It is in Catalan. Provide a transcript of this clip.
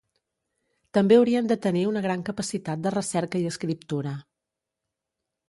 També haurien de tenir una gran capacitat de recerca i escriptura.